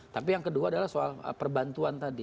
tapi yang kedua adalah soal perbantuan tadi